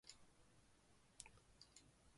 不疼